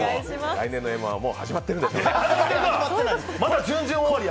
来年の「Ｍ−１」、もう始まってるんですかね。